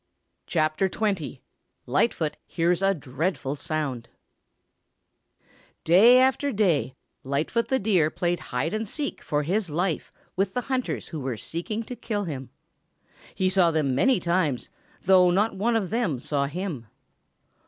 CHAPTER XX LIGHTFOOT HEARS A DREADFUL SOUND Day after day, Lightfoot the Deer played hide and seek for his life with the hunters who were seeking to kill him. He saw them many times, though not one of them saw him.